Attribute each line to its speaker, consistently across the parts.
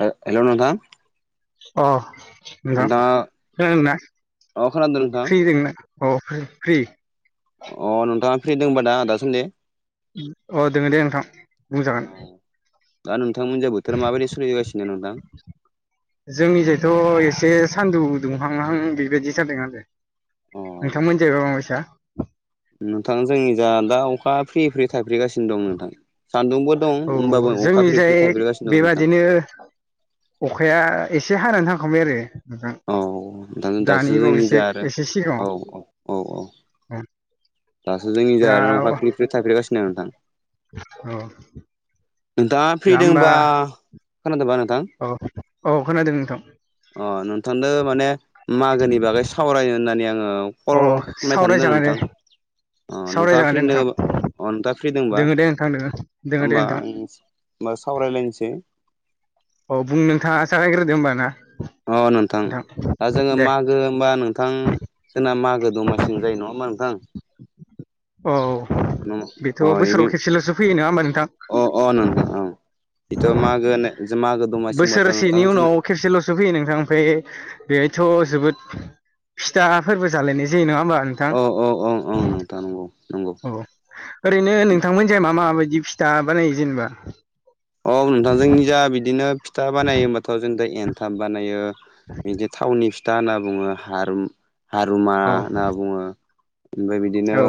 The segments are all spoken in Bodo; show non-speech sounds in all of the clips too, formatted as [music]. Speaker 1: हेलौ नोंथां
Speaker 2: अ नोंथां
Speaker 1: नोंथाङा
Speaker 2: खोनादों
Speaker 1: अ खोनादों नोंथां
Speaker 2: ना? अ फ्रि फ्रि
Speaker 1: अ नोंथाङा फ्रि दोंबा दा दासान दि
Speaker 2: अ दोङो दे नोंथां
Speaker 1: औ
Speaker 2: बुंजागोन
Speaker 1: दा नोंथांमोनजों बोथारा माबायदि सोलिबोगासिनो नोंथां
Speaker 2: जोंनिजायथ' एसे सानदुं दुंहांहां बेबायदि जादों आरो
Speaker 1: अ
Speaker 2: नोंथां मोननि जायमाबायसा
Speaker 1: नोंथां जोंनि जा दा अखा फ्रि फ्रि थाइफ्रिगासिनो दं नोंथां सान्दुंबो दं
Speaker 2: औ
Speaker 1: होमबाबो अखा
Speaker 2: जोंनि
Speaker 1: फ्रि फ्रि
Speaker 2: जाय
Speaker 1: थाइफ्रिगासिनो दं नोंथां
Speaker 2: बेबादिनो अखाया एसे हानानै थांखांबाय आरो नोंथां
Speaker 1: औ दासो
Speaker 2: दानि
Speaker 1: जोंनि
Speaker 2: बावैसो
Speaker 1: जा आरो
Speaker 2: एसे सिगाङाव
Speaker 1: औ औ औ औ।
Speaker 2: औ
Speaker 1: दासो जोंनि जा
Speaker 2: दा
Speaker 1: अखा फ्रि फ्रि थाइफ्रिगासिनो दं नोंथां।
Speaker 2: औ।
Speaker 1: नोंथाङा
Speaker 2: दा होमबा
Speaker 1: फ्रिदोंबा खोनादोंबा नोंथां।
Speaker 2: औ औ खोनादों नोंथां।
Speaker 1: अ नोंथांदो माने मागोनि बागै सावरायनो होननानै आंङो कल
Speaker 2: अ
Speaker 1: खालामबाय थादो
Speaker 2: सावरायजागोन दे
Speaker 1: नोंथां अ नोंथाङा
Speaker 2: सावरायजागोन दे
Speaker 1: फ्रि
Speaker 2: नोंथां
Speaker 1: दोङोबा आं नोंथाङा फ्रि दोंबा
Speaker 2: दोङो दे नोंथां दोङो दोङो दे
Speaker 1: होमबा
Speaker 2: नोंथां
Speaker 1: आं होमबा सावरायलायनोसै
Speaker 2: औ बुं नोंथाङा जागायग्रोदो होमबा ना
Speaker 1: अह नोंथां दा जोङो
Speaker 2: दे
Speaker 1: मागो होमबा नोंथां जोंना मागो गो दमासि जायो नङा होमबा नोंथां?
Speaker 2: औ बेथ'
Speaker 1: अ बे
Speaker 2: बोसोराव खेबसेल'सो फैयो नङा होमबा नोंथां
Speaker 1: इथ' मागो मागो दमासि होमबाथ'
Speaker 2: बोसोरसेनि
Speaker 1: नोंथां
Speaker 2: उनाव खेबसेल'सो फैयो नोंथां बेहायथ' फिथाफोरबो जालायनाय‌ जायो नङा‌ होनबा‌ नोंथां।
Speaker 1: औ औ औ औ नोंथां नंगौ नंगौ
Speaker 2: थां औ। ओरैनो नोंथांमोन जाय मा मा बायदि फिथा बानायो जेनेबा
Speaker 1: औ नोंथां जोंनि जा बिदिनो फिथा बानायो होनबाथ' जों दा एनथाब बानायो बिदि थावनि फिथा होनना बुङो हारुम हारुमा
Speaker 2: औ
Speaker 1: होनना बुङो ओमफ्राय बिदिनो
Speaker 2: औ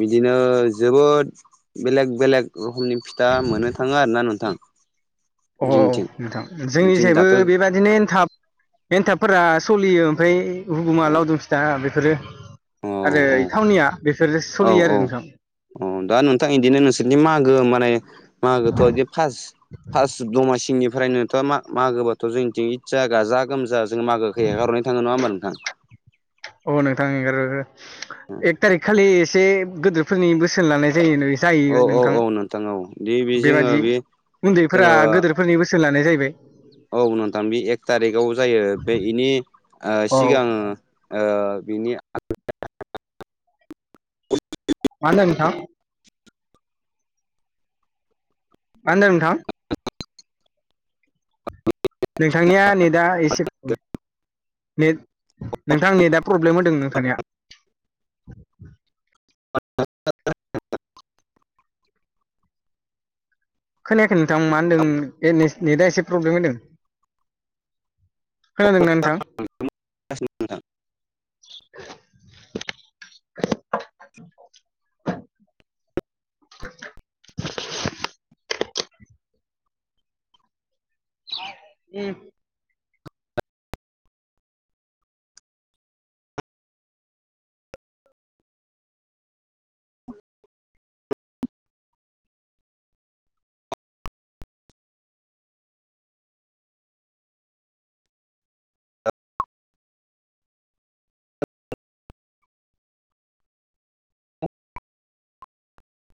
Speaker 1: बिदिनो जोबोद बेलेग बेलेग रोखमनि फिथा मोननो थाङो आरो ना नोंथां।
Speaker 2: अ
Speaker 1: जोंनिथिं
Speaker 2: नोंथां
Speaker 1: जों
Speaker 2: जोंनिजायबो
Speaker 1: दाथ'
Speaker 2: बेबादि बिदिनो एन्थाब एन्थाबफोरा सोलियो ओमफ्राय हुगुमा
Speaker 1: औ
Speaker 2: लावदुम फिथा बेफोरो
Speaker 1: औ
Speaker 2: आरो
Speaker 1: औ
Speaker 2: थावनिया बेफोरो सोलियो आरो नोंथां
Speaker 1: अ दा नोंथां बिदिनो नोंसोरनि मागो माने मागोथ' बिदि फार्स्ट फार्स्ट दमासि निफ्रायनोथ' मागोबाथ' जोंनिथिं इतजा गाजा गोमजा जों मागोखौै हेगारहरनाय थाङो नङाहोमबा नोंथां
Speaker 2: अ नोंथां एंगार हरो एक थारिक खालि एसे गोदोरफोरनि बोसोन लानाय जायो।
Speaker 1: औ
Speaker 2: जायो
Speaker 1: औ
Speaker 2: नोंथां
Speaker 1: औ औ दि बे जोङो
Speaker 2: बेबादि
Speaker 1: बे
Speaker 2: उन्दैफोरा
Speaker 1: जोङो
Speaker 2: गोदोर फोरनि बोसोन लानाय जाहैबाय
Speaker 1: औ नोंथां बे एक थारिकाव जायो बे बेनि ओ
Speaker 2: औ
Speaker 1: सिगां
Speaker 2: मा
Speaker 1: ओ बिनि
Speaker 2: मा होन्दो नोंथां मा होन्दो नोंथां? नोंथांनिया नेदा एसे खम नेट नोंथां नेटा प्रब्लेम होदों नोंथांनिया खोनायाखै नोंथां मा होन्दों बे ने नेटआ एसे प्रब्लेम होदों खोनादोंना नोंथां?
Speaker 1: [unintelligible]
Speaker 2: [unintelligible] उम
Speaker 1: [inaudible]